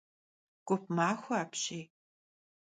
Gup maxue apşiy!